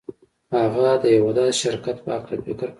هغه د یوه داسې شرکت په هکله فکر کاوه